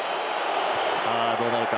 どうなるか。